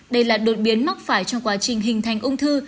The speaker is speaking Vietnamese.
đây là đột biến mắc phải trong quá trình hình thành ung thư